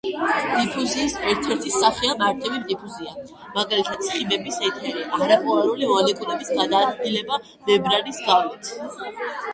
დიფუზიის ერთ-ერთი სახეა მარტივი დიფუზია. მაგალითად ცხიმების, ეთერი, არაპოლარული მოლეკულების გადაადგილება მემბრანის გავლით.